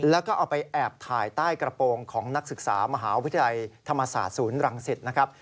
แล้วก็เอาไปแอบถ่ายใต้กระโปรงของนักศึกษามหาวิทยาลัยธรรมศาสตร์ศูนย์รังสิตนะครับ